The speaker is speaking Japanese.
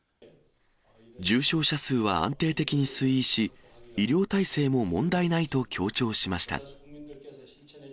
重症者数は安定的に推移し、医療体制も問題ないと強調しました。